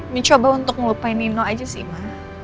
mincoba untuk ngelupain nino aja sih ma